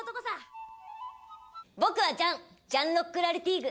「僕はジャンジャン・ロック・ラルティーグ。